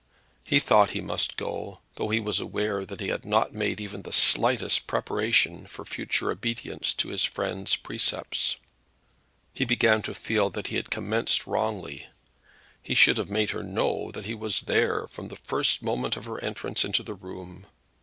He thought he must go, though he was aware that he had not made even the slightest preparation for future obedience to his friend's precepts. He began to feel that he had commenced wrongly. He should have made her know that he was there from the first moment of her entrance into the room.